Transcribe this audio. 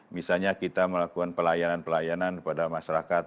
misalnya kita melakukan pelayanan pelayanan kepada masyarakat